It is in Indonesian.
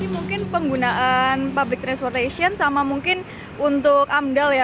mungkin penggunaan public transportation sama mungkin untuk amdal ya